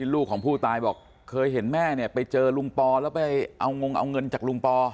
ลูกของผู้ตายบอกเคยเห็นแม่เนี่ยไปเจอลุงปอแล้วไปเอางงเอาเงินจากลุงปอ